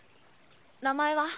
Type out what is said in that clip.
名前は？